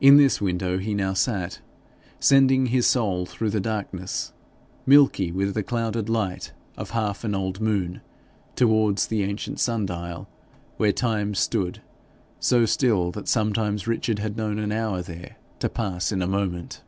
In this window he now sat, sending his soul through the darkness, milky with the clouded light of half an old moon, towards the ancient sun dial, where Time stood so still that sometimes Richard had known an hour there pass in a moment.